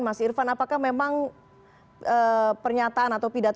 mas irvan apakah memang pernyataan atau pidato